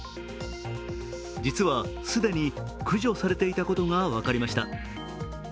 実は、既に駆除されていたことが分かりました。